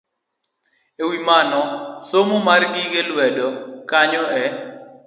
E wi mano, somo mar gige lwedo konyo e